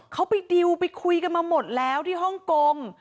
เขาไปดิวไปคุยกันมาหมดแล้วที่ฮ่องกง